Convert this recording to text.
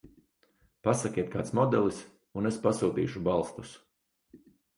Pasakiet kāds modelis un es pasūtīšu balstus.